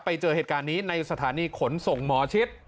ไปเจอเหตุการณ์นี้ในสถานีขนส่งหมอชิด